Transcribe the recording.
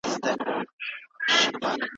که تېروتنه وکړئ نو باید ترې پند واخلئ.